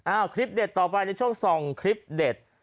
คลิปเด็ดต่อไปในช่วงส่องคลิปเด็ด